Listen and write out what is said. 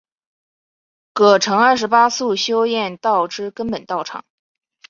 葛城二十八宿修验道之根本道场。